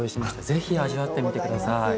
ぜひ味わってみて下さい。